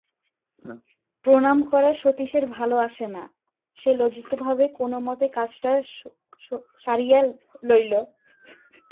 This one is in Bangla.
প্রণাম করা সতীশের ভালো আসে না, সে লজ্জিতভাবে কোনোমতে কাজটা সারিয়া লইল।